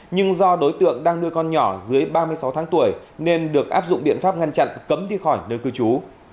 nhưng do đối tượng đang nuôi con nhỏ dưới ba mươi sáu tháng tuổi nên được áp dụng biện pháp ngăn chặn cấm đi khỏi nơi cư trú